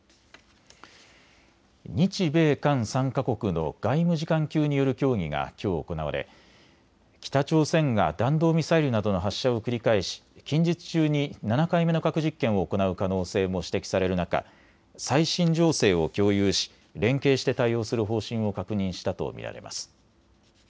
日米韓３か国の外務次官級による協議がきょう行われ北朝鮮が弾道ミサイルなどの発射を繰り返し近日中に７回目の核実験を行う可能性も指摘される中、最新情勢を共有し連携して対応する方針を確認したと見られます。